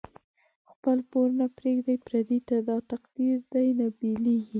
خپل پور نه پریږدی پردی ته، دا تقدیر دۍ نه بیلیږی